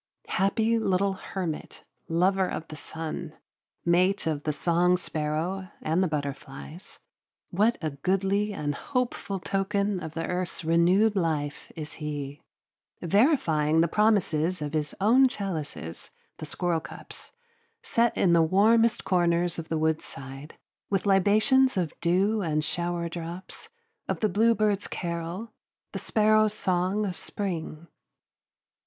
Happy little hermit, lover of the sun, mate of the song sparrow and the butterflies, what a goodly and hopeful token of the earth's renewed life is he, verifying the promises of his own chalices, the squirrelcups, set in the warmest corners of the woodside, with libations of dew and shower drops, of the bluebird's carol, the sparrow's song of spring.